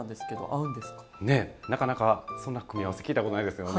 ねえなかなかそんな組み合わせ聞いたことないですよね？